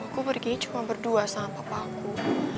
aku perginya cuma berdua sama papaku